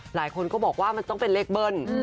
หลายคนก็บอกว่ามันต้องเป็นเลขเบิ้ล